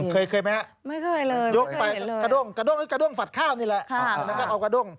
เคยไหมครับยกไปกระด้งฝัดข้าวนี่แหละแล้วก็เอากระด้ง